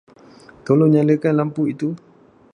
Tolong nyalakan lampu itu.